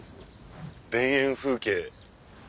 田園風景。